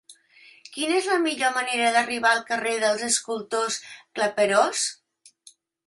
Quina és la millor manera d'arribar al carrer dels Escultors Claperós?